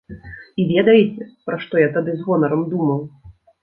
І ведаеце, пра што я тады з гонарам думаў?